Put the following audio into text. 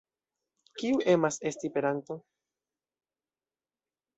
Kiu emas esti peranto?